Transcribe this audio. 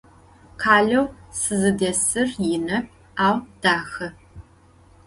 Khaleu sızıdesır yinep, au daxe.